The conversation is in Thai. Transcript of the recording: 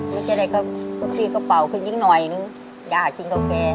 ไม่ใช่ไรก็พี่กระเป๋าขึ้นอีกหน่อยหนึ่งยากกินกาแฟ